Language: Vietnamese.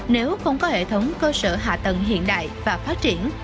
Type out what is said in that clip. nếu không có hệ thống cơ sở hạ tầng hiện đại và phát triển